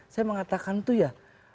saya mengatakan itu ya